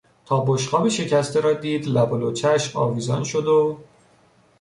تا بشقاب شکسته را دید لب و لوچهاش آویزان شد و...